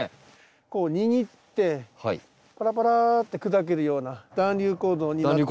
こう握ってパラパラって砕けるような団粒構造になって。